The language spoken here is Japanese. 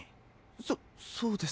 そっそうです。